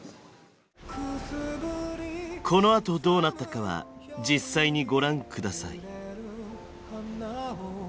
このあとどうなったかは実際にご覧ください。